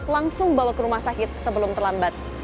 langsung bawa ke rumah sakit sebelum terlambat